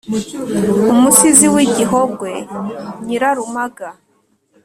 Umusizi w’i Gihogwe Nyirarumaga